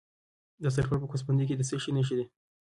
د سرپل په ګوسفندي کې د څه شي نښې دي؟